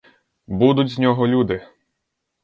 Будуть з нього люди!